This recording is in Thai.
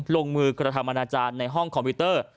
ลงมือกระทำอนาจารย์ในห้องคอมพิวเตอร์